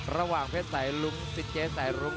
ระหว่างแฮทสายรุ้งสิทเจสายรุ้ง